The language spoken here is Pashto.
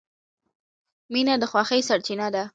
• مینه د خوښۍ سرچینه ده.